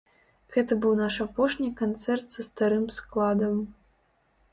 Гэта быў наш апошні канцэрт са старым складам.